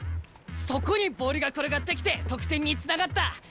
そこにボールが転がってきて得点につながった。